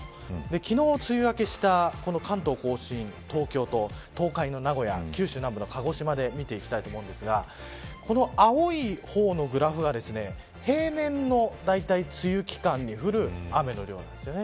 昨日梅雨明けした関東甲信東京と東海の名古屋九州南部の鹿児島で見ていきたいと思いますがこの青い方のグラフが平年の梅雨期間に降る雨の量なんです。